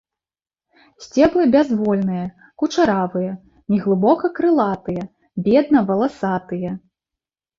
Сцеблы бязвольныя, кучаравыя, неглыбока крылатыя, бедна валасатыя.